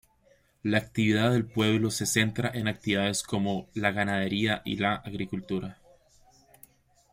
La actividad del pueblo se centra en actividades como la ganadería y la agricultura.